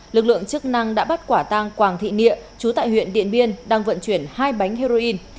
lực lượng chức năng đã bắt quả tăng quảng thị nịa chú tại huyện điện biên đang vận chuyển hai bánh heroin